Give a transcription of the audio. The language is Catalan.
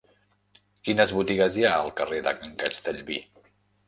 Quines botigues hi ha al carrer de Can Castellví?